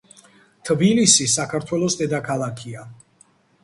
თბილისი საქართველოს დედაქალაქია